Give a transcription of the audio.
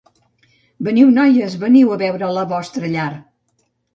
Veniu, noies, veniu a veure la vostra llar!